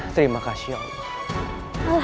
terima kasih allah